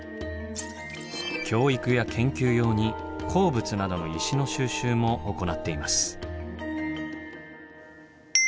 教育や研究用に鉱物などの石の収集も行っています。